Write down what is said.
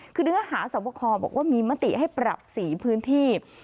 คือเนื้อหาสวบคอบอกว่ามีมติให้ปรับ๔พื้นที่